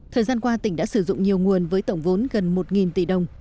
thời gian qua tỉnh đã sử dụng nhiều nguồn với tổng vốn gần một tỷ đồng